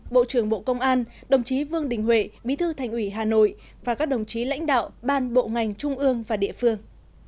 bộ trưởng bộ công an đồng chí vương đình huệ bí thư thành ủy hà nội và các đồng chí lãnh đạo ban bộ ngành trung ương và địa phương